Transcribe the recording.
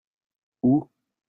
Où ?